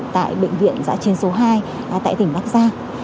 tại bệnh viện giã chiến số hai tại tỉnh bắc giang